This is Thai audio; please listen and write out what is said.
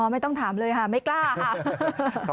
ไม่ต้องถามเลยค่ะไม่กล้าค่ะ